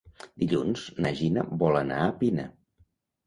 Dilluns na Gina vol anar a Pina.